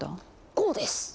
こうです。